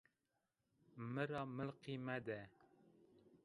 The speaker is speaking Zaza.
Mi ra milqî mede!